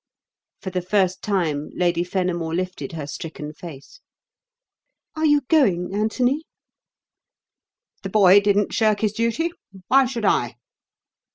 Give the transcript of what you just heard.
For the first time Lady Fenimore lifted her stricken face. "Are you going, Anthony?" "The boy didn't shirk his duty. Why should I?"